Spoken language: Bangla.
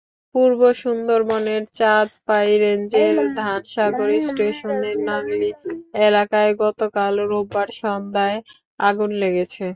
পূর্ব সুন্দরবনের চাঁদপাই রেঞ্জের ধানসাগর স্টেশনের নাংলি এলাকায় গতকাল রোববার সন্ধ্যায় আগুন লেগেছে।